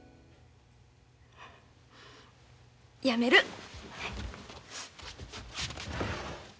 やめる。